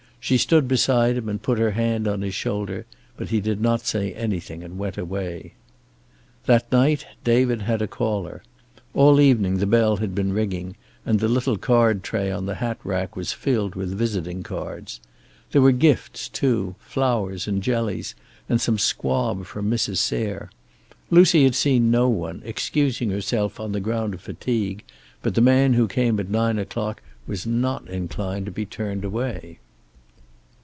She stood beside him and put her hand on his shoulder, but he did not say anything, and she went away. That night David had a caller. All evening the bell had been ringing, and the little card tray on the hatrack was filled with visiting cards. There were gifts, too, flowers and jellies and some squab from Mrs. Sayre. Lucy had seen no one, excusing herself on the ground of fatigue, but the man who came at nine o'clock was not inclined to be turned away.